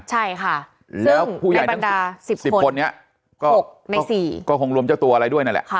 ใช่ค่ะแล้วผู้ใหญ่สิบคนสิบคนเนี้ยหกในสี่ก็คงรวมเจ้าตัวอะไรด้วยนั่นแหละค่ะ